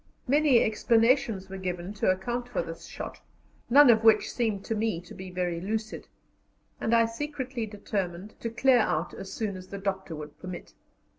Many explanations were given to account for this shot, none of which seemed to me to be very lucid, and I secretly determined to clear out as soon as the doctor would permit.